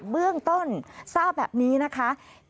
เบื้องต้นทราบแบบนี้นะคะ